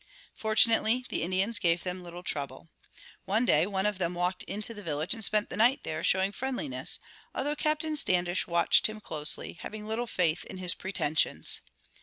Fortunately the Indians gave them little trouble. One day one of them walked into the village and spent the night there, showing friendliness, although Captain Standish watched him closely, having little faith in his pretensions.